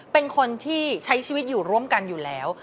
เป็นคนที่ใช้ชีวิตอยู่ร่วมกันอยู่แล้ว